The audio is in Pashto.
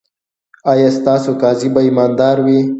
ایا ستاسو قاضي به ایماندار وي؟